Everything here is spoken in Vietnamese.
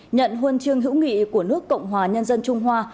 nhận huân chương hữu nghị của nước cộng hòa nhân dân trung hoa